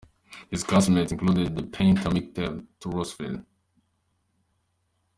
His classmates included the painter Mikhail Turovsky.